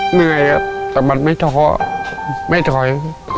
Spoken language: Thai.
เหนื่อยครับแต่มันไม่ท้อไม่ถอย